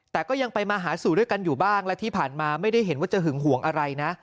แต่ก็ยังไปมาหาสู่ด้วยกันอยู่บ้างและที่ผ่านมาไม่ได้เห็นว่าจะหึงหวงอะไรนะ